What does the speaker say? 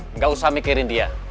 enggak usah mikirin dia